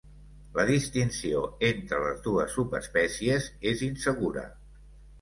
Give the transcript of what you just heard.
La distinció entre les dues subespècies és insegura.